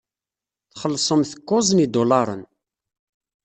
Txellṣem-t kuẓ n yidulaṛen.